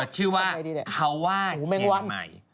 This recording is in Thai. ชื่อว่าเขาว่าเชียงใหม่